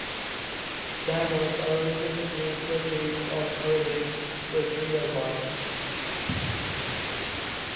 Diamonds are received through purchases of Credits with real money.